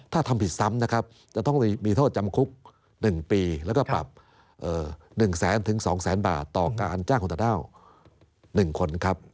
ถ้าทำผิดซ้ำนะครับจะต้องมีโทษจำคุก๑ปีแล้วก็ปรับ๑แสนถึง๒แสนบาทต่อการจ้างคนต่างด้าว๑คนครับ